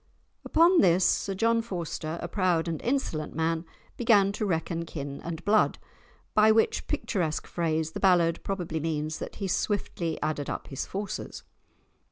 Upon this Sir John Forster, a proud and insolent man, "began to reckon kin and blood," by which picturesque phrase the ballad probably means that he swiftly added up his forces.